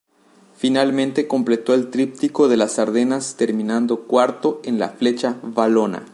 Finalmente completó el tríptico de las Ardenas terminando cuarto en la Flecha Valona.